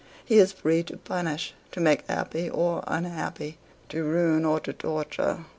He is free to punish, to make happy or unhappy to ruin or to torture.